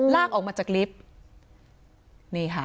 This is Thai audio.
ลากออกมาจากลิฟต์